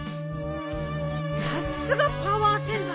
さすがパワー洗ざい！